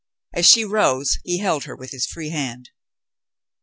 As she rose, he held her with his free hand.